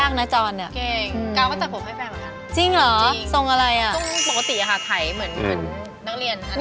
ก้าวเบื้องก้าว